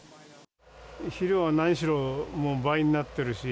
肥料は何しろ倍になっているし。